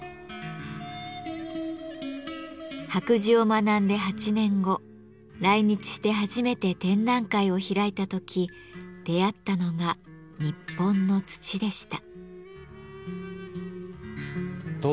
白磁を学んで８年後来日して初めて展覧会を開いた時出会ったのが「日本の土」でした。